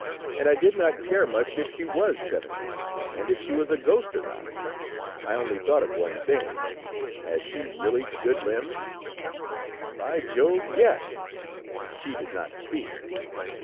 And I did not care much if she was seventy and if she was a ghost or not; I only thought of one thing: 'Has she really good limbs?'" "By Jove, yes! She did not speak.